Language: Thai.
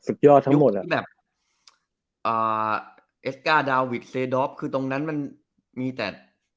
สุดยอดทั้งหมดอ่ะอ่าเอสกาดาวิทคือตรงนั้นมันมีแต่